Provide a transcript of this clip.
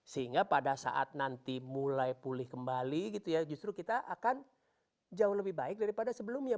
sehingga pada saat nanti mulai pulih kembali gitu ya justru kita akan jauh lebih baik daripada sebelumnya